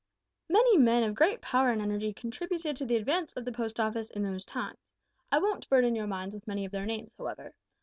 "Many men of great power and energy contributed to the advance of the Post Office in those times. I won't burden your minds with many of their names however.